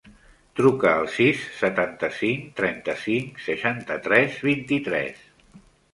Truca al sis, setanta-cinc, trenta-cinc, seixanta-tres, vint-i-tres.